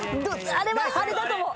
あれはあれだと思う。